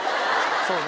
そうね。